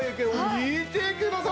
見てください！